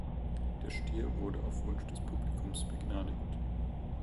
Der Stier wurde auf Wunsch des Publikums begnadigt.